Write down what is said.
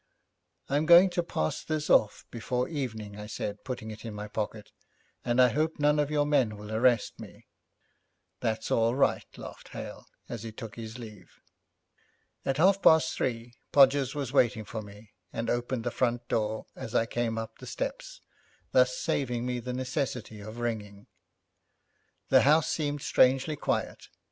'I'm going to pass this off before evening,' I said, putting it in my pocket, 'and I hope none of your men will arrest me.' 'That's all right,' laughed Hale as he took his leave. At half past three Podgers was waiting for me, and opened the front door as I came up the steps, thus saving me the necessity of ringing. The house seemed strangely quiet.